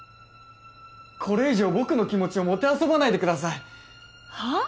これ以上僕の気持ちをもてあそばないでください！はあ！？